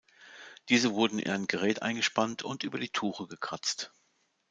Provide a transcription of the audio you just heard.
Diese wurden in ein Gerät eingespannt und über die Tuche gekratzt.